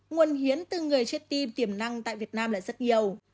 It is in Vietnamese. nguồn hiến từ người chết tim tiềm năng tại việt nam là rất nhiều